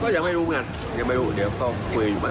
ก็ยังไม่รู้งั้นยังไม่รู้เดี๋ยวพ่อคุยอยู่มา